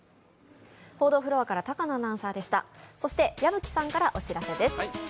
そして、矢吹さんからお知らせです。